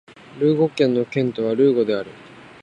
ルーゴ県の県都はルーゴである